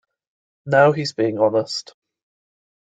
Now he's being honest.